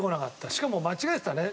しかも間違えてたね。